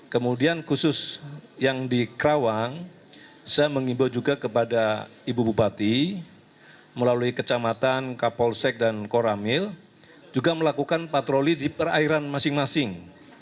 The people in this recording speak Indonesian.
kemudian khusus yang di kerawang saya mengimbau juga kepada ibu bupati melalui kecamatan kapolsek dan koramil juga melakukan patroli di perairan masing masing